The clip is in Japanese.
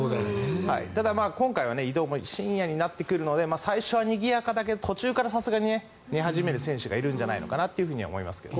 でも、今回は移動は深夜になってくるので最初はにぎやかだけど途中から寝始める選手がいるんじゃないのかなというふうに思いますけどね。